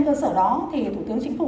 trên cơ sở đó thì thủ tướng chính phủ